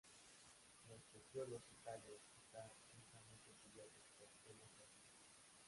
Los peciolos y tallos están densamente cubiertos por pelos rojizos.